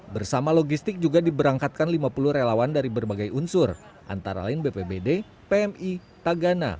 bersama logistik juga diberangkatkan lima puluh relawan dari berbagai unsur antara lain bpbd pmi tagana